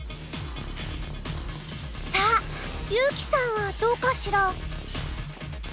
さあ優希さんはどうかしら。